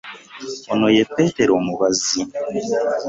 Ono ye Petero omubazzi.